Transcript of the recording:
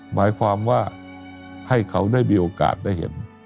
หมายความว่าให้เขาได้มีโอกาสได้เห็น